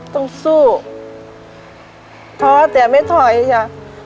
ต้องสู้เพราะว่าแต่ไม่ถอยจ๊ะ